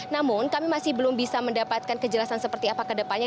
namun kami masih belum bisa mendapatkan kejelasan seperti apa ke depannya